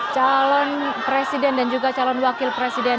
calon presiden dan juga calon wakil presiden